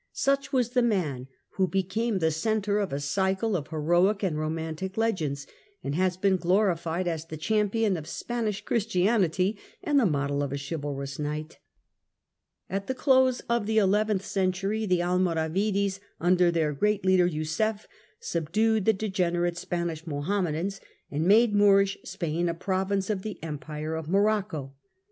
Such was the man who has become the centre of a cycle of heroic and romantic legends, and has been glorified as the champion of Spanish Christianity and the model of a chivalrous knight. At the close of the eleventh century the Almoravides, under their great leader Yusuf, subdued the degenerate Spanish Mohammedans, and made Moorish Spain a province of the Empire of Morocco.